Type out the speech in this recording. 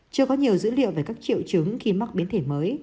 chưa có nhiều dữ liệu về các triệu chứng khi mắc biến thể mới